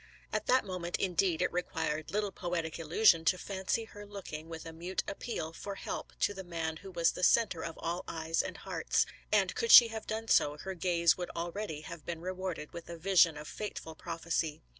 At that moment, indeed, it required little poetic illusion to fancy her looking with a mute appeal for help to the man who was the center of all eyes and hearts ; and could she have done so, her gaze would already have been rewarded with a vision of fateful proph ecy.